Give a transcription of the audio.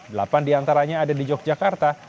delapan di antaranya ada di yogyakarta